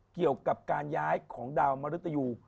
เกี่ยวกับการย้ายของดาวมริตยู